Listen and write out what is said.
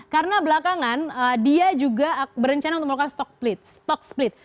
karena belakangan dia juga berencana untuk melakukan stok stock split